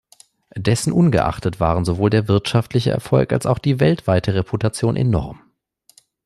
Dessen ungeachtet waren sowohl der wirtschaftliche Erfolg als auch die weltweite Reputation enorm.